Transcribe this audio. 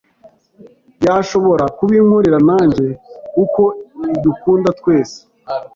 yashobora kubinkorera nanjye kuko idukunda twese